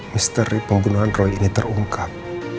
misteri pembunuhan roy ini terungkap